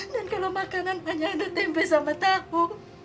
dan kalau makanan banyaknya tempe sama tahu